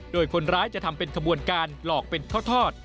โดยคนร้ายจะทำเป็นขบวนการหลอกเป็นทอด